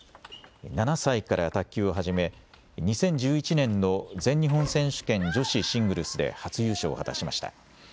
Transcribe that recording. ７歳から卓球を始め、２０１１年の全日本選手権女子シングルスで初優勝を果たしました。